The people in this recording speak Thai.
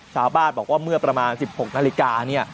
ชาวบ้านบอกว่าเมื่อประมาณ๑๖นาฬิกาเนี่ย